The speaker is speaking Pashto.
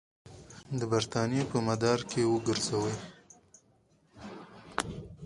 د برټانیې په مدار کې وګرځوي.